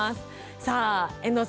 さあ遠藤さん